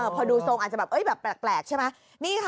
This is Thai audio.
พอดูโซงอาจจะแบบแปลกใช่ไหมนี่ค่ะ